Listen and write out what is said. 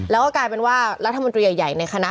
แล้วก็กลายเป็นว่ารัฐมนตรีใหญ่ในคณะ